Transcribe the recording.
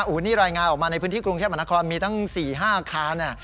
โอ้โหนี่รายงานออกมาในพื้นที่กรุงเทพมหานครมีทั้ง๔๕อาคาร